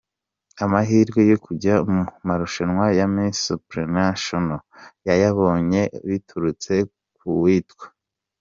Amahirwe yo kujya mu marushanwa ya Miss Supuranashono yayabonye biturutse k’uwitwa